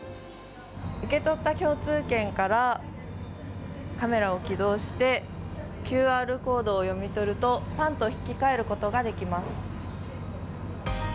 受け取った共通券からカメラを起動してＱＲコードを読み取るとパンと引き換えることができます。